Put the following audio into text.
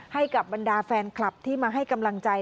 ให้กับบรรดาแฟนคลับที่มาให้กำลังใจ